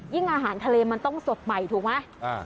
อาหารทะเลมันต้องสดใหม่ถูกไหม